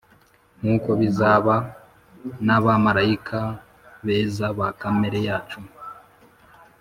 nk'uko bizaba, n'abamarayika beza ba kamere yacu. ”